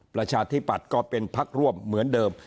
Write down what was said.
ประชาธิปัตย์ก็เป็นพักร่วมเหมือนเดิม